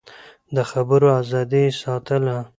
د خبرو ازادي يې ساتله.